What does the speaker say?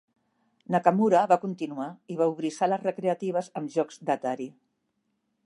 Nakamura va continuar i va obrir sales recreatives amb jocs d'Atari.